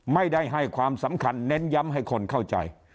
ไม่ได้ให้ความสำคัญเน้นย้ำให้คนเข้าใจ